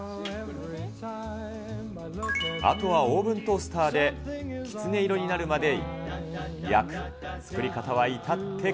あとはオーブントースターできつね色になるまで焼く。